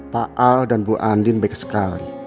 pak al dan bu andin baik sekali